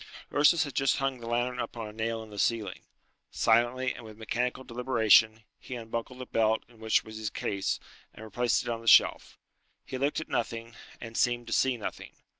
Ursus had just hung the lantern up on a nail in the ceiling. Silently, and with mechanical deliberation, he unbuckled the belt in which was his case, and replaced it on the shelf. He looked at nothing, and seemed to see nothing.